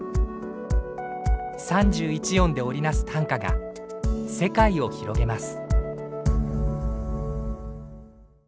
３１音で織り成す短歌が世界を広げます。